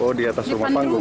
oh di atas rumah panggung